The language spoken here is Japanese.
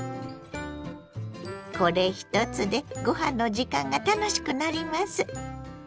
これ一つでご飯の時間が楽しくなります。